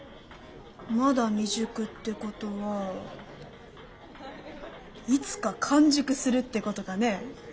まだ未熟ってことはいつか完熟するってことかね。